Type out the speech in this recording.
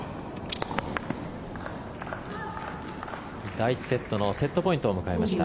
第１セットのセットポイントを迎えました。